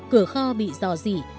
cửa kho bị giò rỉ